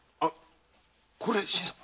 これ新さん！